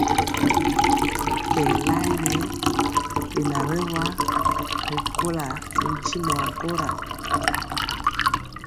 Kɛɛla ŋɛ beŋa berwa ri kula mi ntimɔ a kora.